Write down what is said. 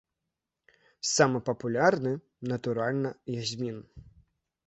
Самы папулярны, натуральна, язмін.